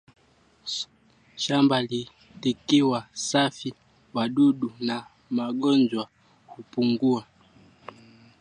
shamba likiwa safi wadudu na magonjwa hupungua